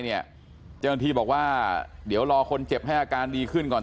เจ้าหน้าที่บอกว่าเดี๋ยวรอคนเจ็บให้อาการดีขึ้นก่อน